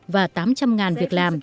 và tám trăm linh ngàn việc làm